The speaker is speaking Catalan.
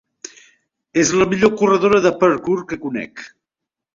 És la millor corredora de parkour que conec.